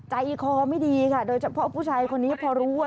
ใจคอไม่ดีค่ะโดยเฉพาะผู้ชายคนนี้พอรู้ว่า